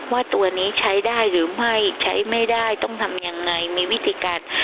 ว่าตัวนี้ใช้ได้หรือไม่ใช้ไม่ได้ต้องทำยังไงมีวิธีการ